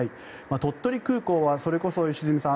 鳥取空港はそれこそ良純さん